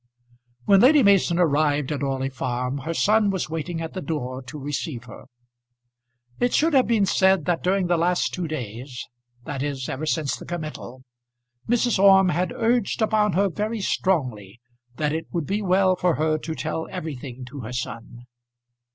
When Lady Mason arrived at Orley Farm her son was waiting at the door to receive her. It should have been said that during the last two days, that is ever since the committal, Mrs. Orme had urged upon her very strongly that it would be well for her to tell everything to her son.